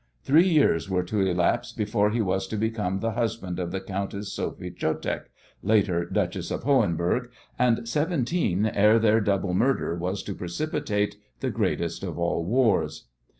Three years were to elapse before he was to become the husband of the Countess Sophy Chotek, later Duchess of Hohenberg, and seventeen ere their double murder was to precipitate the greatest of all wars.